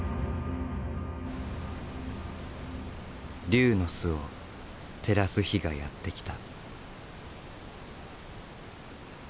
龍の巣を照らす日がやって来た。